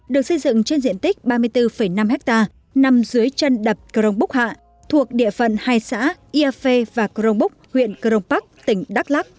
được xây dựng trên diện tích ba mươi bốn năm ha nằm dưới chân đập kronbuk hạ thuộc địa phận hai xã yafé và kronbuk huyện kronpark tỉnh đắk lắk